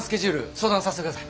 相談させてください。